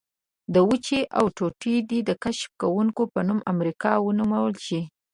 د وچې دا ټوټه دې د کشف کوونکي په نوم امریکا ونومول شي.